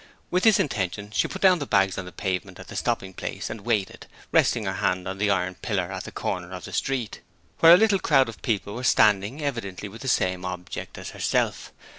With this intention, she put down her bag on the pavement at the stopping place, and waited, resting her hand on the iron pillar at the corner of the street, where a little crowd of people were standing evidently with the same object as herself.